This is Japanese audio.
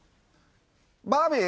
バービー？